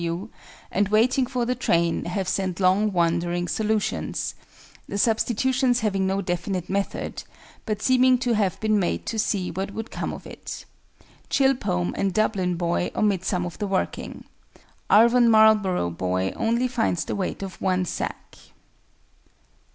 W., and WAITING FOR THE TRAIN, have sent long wandering solutions, the substitutions having no definite method, but seeming to have been made to see what would come of it. CHILPOME and DUBLIN BOY omit some of the working. ARVON MARLBOROUGH BOY only finds the weight of one sack.